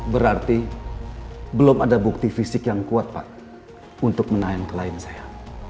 berarti belum ada bukti fisik yang kuat pak untuk menahan klien saya